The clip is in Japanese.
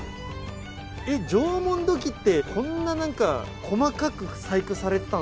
えっ縄文土器ってこんな何か細かく細工されてたのか。